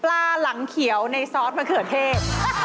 หลังเขียวในซอสมะเขือเทศ